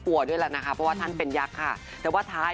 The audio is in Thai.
ด้วยแล้วนะคะเพราะว่าท่านเป็นยักษ์ค่ะแต่ว่าท้าย